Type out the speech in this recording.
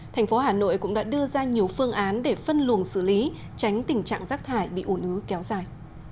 thành phố hà nội cũng đã đưa ra nhiều phương án để phân luồng xử lý tránh tình trạng rác thải bị ủ nứ kéo dài